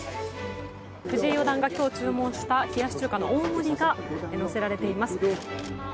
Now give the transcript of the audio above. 藤井四段が今日注文した冷やし中華の大盛りが乗せられています。